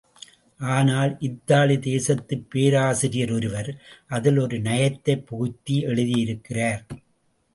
ஆனால் இத்தாலி தேசத்துப் பேராசிரியர் ஒருவர், அதில் ஒரு நயத்தைப் புகுத்தி எழுதியிருக்கிறார்.